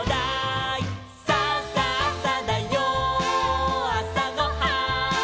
「さあさあさだよあさごはん」